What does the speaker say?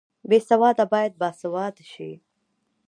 بې سواده باید باسواده شي